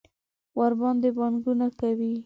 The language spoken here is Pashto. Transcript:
ورباندې پانګونه کوي.